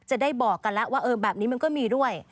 จะได้บอกกันแล้วว่าแบบนี้มันก็มีด้วย